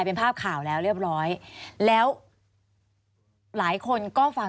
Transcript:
ควิทยาลัยเชียร์สวัสดีครับ